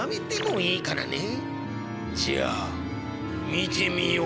じゃあ見てみよう。